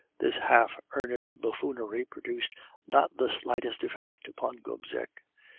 "This half earnest buffoonery produced not the slightest effect upon Gobseck.